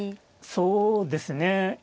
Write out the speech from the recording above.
そうですね。